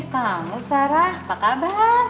kamu sarah apa kabar